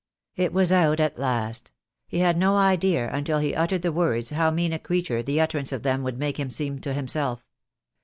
It was out at last. He had no idea until he uttered the words how mean a creature the utterance of them would make him seem to himself.